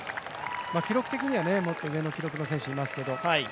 記録的にはもっと上の記録の選手いますけれども。